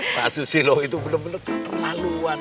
mas susilo itu benar benar keterlaluan